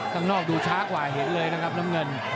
ข้างนอกดูช้ากว่าเห็นเลยนะครับน้ำเงิน